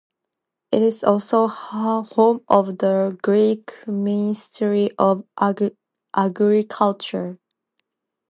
It is also home of the Greek Ministry of Agriculture.